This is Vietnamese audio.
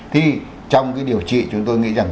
thì trong cái điều trị chúng tôi nghĩ rằng